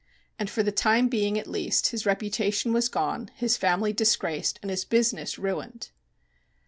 And, for the time being at least, his reputation was gone, his family disgraced, and his business ruined.